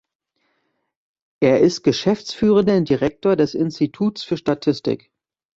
Er ist geschäftsführender Direktor des Instituts für Statistik.